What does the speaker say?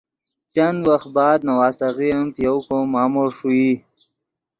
چند وخت بعد نواسیغے ام پے یؤ کو مامو ݰوئی